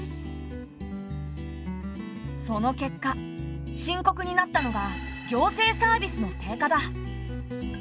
その結果深刻になったのが行政サービスの低下だ。